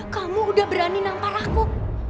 kamu udah berani nampar aku